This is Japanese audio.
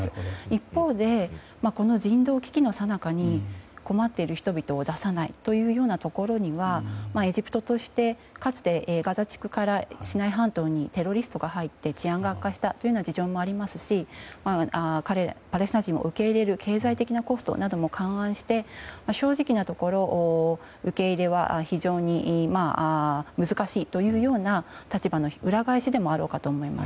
一方で人道危機のさなかに困っている人々を出さないというようなところにはエジプトとしてはかつてガザ地区からシナイ半島にテロリストが入って治安が悪化したという事情もありますしパレスチナ人を受け入れる経済的なコストなども勘案して正直なところ、受け入れは非常に難しいというような立場の裏返しでもあろうかと思います。